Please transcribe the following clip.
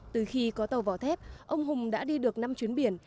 từ khi có tàu vỏ thép ông hùng đã đi được năm chuyến biển